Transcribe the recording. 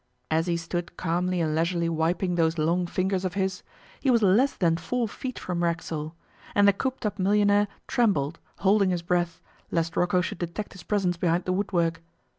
As he stood calmly and leisurely wiping those long fingers of his, he was less than four feet from Racksole, and the cooped up millionaire trembled, holding his breath, lest Rocco should detect his presence behind the woodwork.